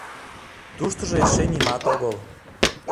— Туштыжо эше нимат огыл.